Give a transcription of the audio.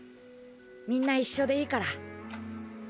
みんな一緒でいいから。